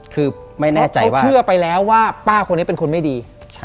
เขาเชื่อไปแล้วว่าป้าคนนี้เป็นคนไม่ดี